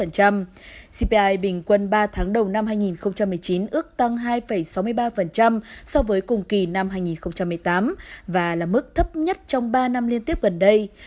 cpi bình quân ba tháng đầu năm hai nghìn một mươi chín ước tăng hai sáu mươi ba so với cùng kỳ năm hai nghìn một mươi tám và là mức thấp nhất trong ba năm liên tiếp gần đây